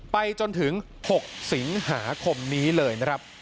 ไปจนถึง๖สิงหาคมนี้เลยนะครับ